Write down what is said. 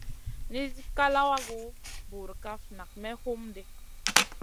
Nisi ká lawagu burkaf nak may hum ɗi.